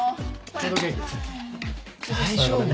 大丈夫？